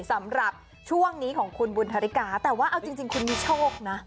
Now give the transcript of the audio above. สำหรับช่วงนี้ของคุณบุญธริกาแต่ว่าเอาจริงคุณมีโชคนะ